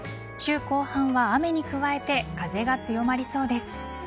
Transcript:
週後半は雨に加えて風が強まりそうです。